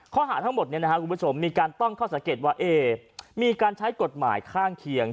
ข้อหาทั้งหมดมีการต้องเข้าสังเกตว่าเอ๊มีการใช้กฎหมายข้างเคียง